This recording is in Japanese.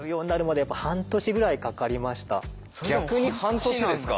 逆に半年ですか？